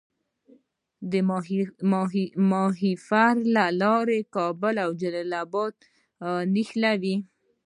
د ماهیپر لاره کابل او جلال اباد نښلوي